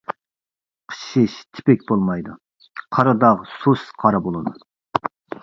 قىچىشىش تىپىك بولمايدۇ، قارا داغ سۇس قارا بولىدۇ.